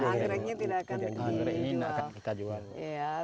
anggreknya tidak akan dijual